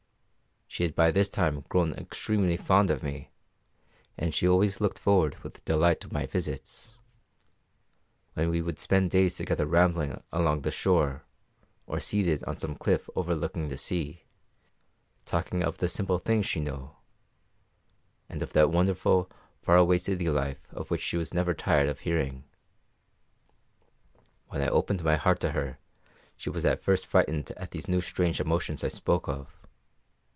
She had by this time grown extremely fond of me, and she always looked forward with delight to my visits, when we would spend days together rambling along the shore, or seated on some cliff overlooking the sea, talking of the simple things she knew, and of that wonderful, far away city life of which she was never tired of hearing. When I opened my heart to her she was at first frightened at these new strange emotions I spoke of.